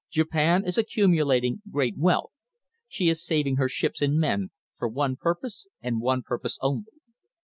Japan is accumulating great wealth. She is saving her ships and men for one purpose, and one purpose only.